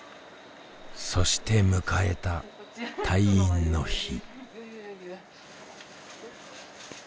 そして迎えた退院の日。